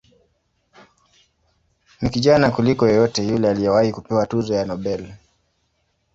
Ni kijana kuliko yeyote yule aliyewahi kupewa tuzo ya Nobel.